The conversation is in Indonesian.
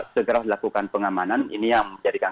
segera dilakukan pengamanan ini yang menjadikan